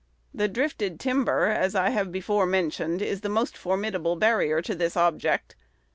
The drifted timber, as I have before mentioned, is the most formidable barrier to this object.